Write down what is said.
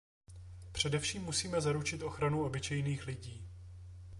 Především musíme zaručit ochranu obyčejných lidí.